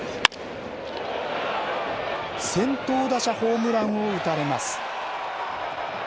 先頭打者ホームランを打たれます。